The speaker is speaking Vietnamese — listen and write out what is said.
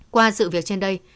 qua sự việc trên đây